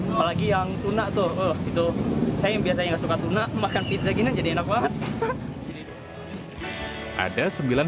apalagi yang tuna tuh gitu saya biasanya suka tuna makan pizza gini jadi enak banget ada sembilan